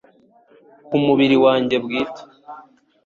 ku mubiri wanjye bwite